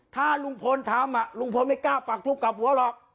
ถ้าลุงพลทำลุงพลไม่กล้าปักทูบกลับหัวหรอก